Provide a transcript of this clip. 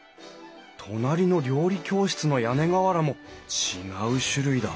隣の料理教室の屋根瓦も違う種類だ。